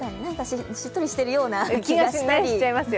しっとりしてるような気がしたり。